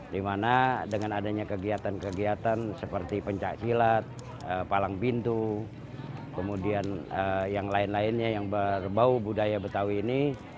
dimana dengan adanya kegiatan kegiatan seperti pencaksilat palang pintu kemudian yang lain lainnya yang berbau budaya betawi ini